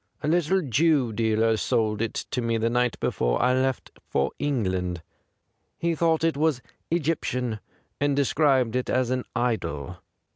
A little Jew dealer sold it me the night before I left for England. He thought it was Egyptian, and described it as an idol.